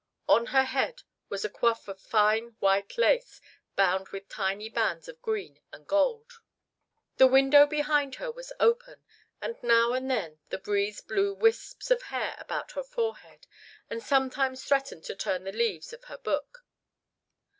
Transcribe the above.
On her head was a coif of fine white lace bound with tiny bands of green and gold. The window behind her was open, and now and then the breeze blew wisps of hair about her forehead and sometimes threatened to turn the leaves of her book.